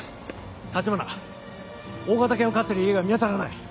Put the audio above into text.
橘大型犬を飼ってる家が見当たらない。